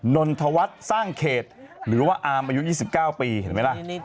นนทวัฒน์สร้างเขตหรือว่าอามอายุ๒๙ปีเห็นไหมล่ะ